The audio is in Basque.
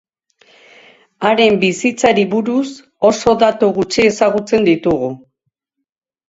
Haren bizitzari buruz oso datu gutxi ezagutzen ditugu.